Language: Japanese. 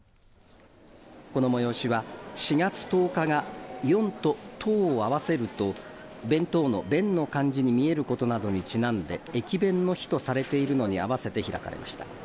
この催しは４月１０日が４と十を合わせると弁当の弁の漢字に見えることにちなんで駅弁の日とされているのに合わせて開かれました。